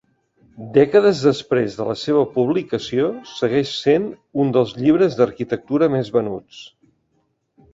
Dècades després de la seva publicació, segueix sent un dels llibres d'arquitectura més venuts.